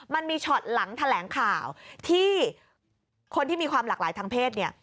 มันมีช็อตหลังแถลงข่าวที่คนที่มีความหลากหลายทางเพศเนี่ย